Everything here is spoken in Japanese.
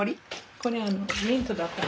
これミントだから爽やか。